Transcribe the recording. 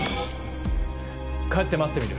帰って待ってみる